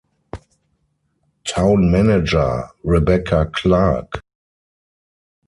Town Manager: Rebecca Clark.